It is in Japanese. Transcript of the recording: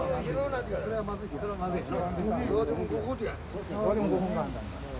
これはまずいな。